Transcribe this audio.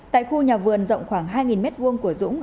tại khu nhà vườn rộng khoảng hai m hai của dũng